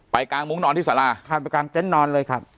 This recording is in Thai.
กลางมุ้งนอนที่สาราข้ามไปกลางเต็นต์นอนเลยครับ